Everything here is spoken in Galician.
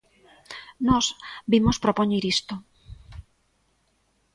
Nós vimos propoñer iso.